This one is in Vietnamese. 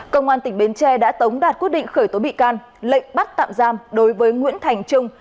công an tỉnh bến tre đã tống đạt quyết định khởi tố bị can lệnh bắt tạm giam đối với nguyễn thành trung